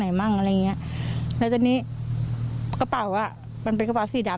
มั่งอะไรอย่างเงี้ยแล้วตอนนี้กระเป๋าอ่ะมันเป็นกระเป๋าสีดำ